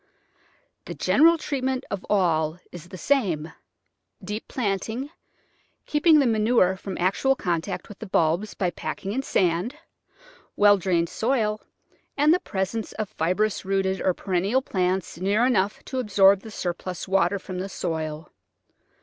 The general treatment of all is the same: deep planting, keeping the manure from actual contact with the bulbs by packing in sand; well drained soil and the presence of fibrous rooted or perennial plants near enough to absorb the surplus water from the soil.